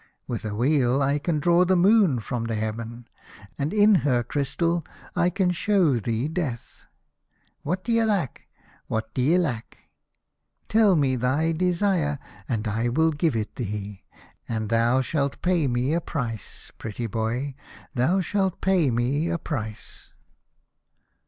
With a wheel I can draw the Moon from heaven, and in a crystal I can show thee Death. What d'ye lack ? What d'ye lack ? Tell me thy desire, and I 74 The Fisherman and his Soul. will give it thee, and thou shalt pay me a price, pretty boy, thou shalt pay me a price."